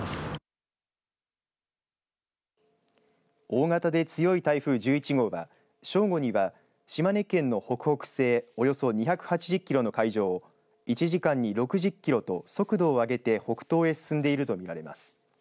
大型で強い台風１１号は正午には、島根県の北北西およそ２８０キロの海上を１時間に６０キロと速度を上げて北東に進んでいると見られます。